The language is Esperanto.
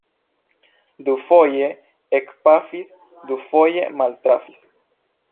Dufoje ekpafis; dufoje maltrafis.